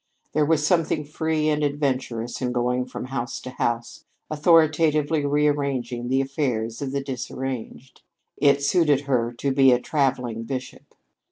There was something free and adventurous in going from house to house, authoritatively rearranging the affairs of the disarranged. It suited her to be "a traveling bishop."